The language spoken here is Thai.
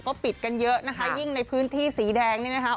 ก็ปิดกันเยอะนะคะยิ่งในพื้นที่สีแดง